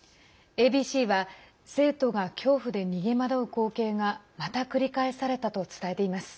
ＡＢＣは、生徒が恐怖で逃げ惑う光景がまた繰り返されたと伝えています。